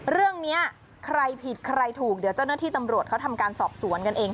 เรื่องนี้ใครผิดใครถูกเดี๋ยวเจ้าหน้าที่ตำรวจเขาทำการสอบสวนกันเอง